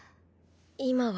今は。